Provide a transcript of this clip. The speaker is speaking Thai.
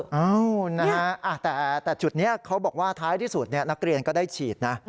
เอ้านะฮะแต่จุดนี้เขาบอกว่าท้ายที่สุดนักเรียนก็ได้ฉีดนะ